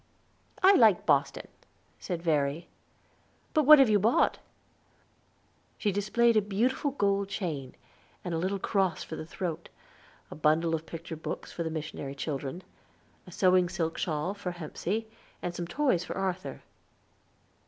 "I like Boston," said Verry. "But what have you bought?" She displayed a beautiful gold chain, and a little cross for the throat; a bundle of picture books for the missionary children; a sewing silk shawl for Hepsey, and some toys for Arthur.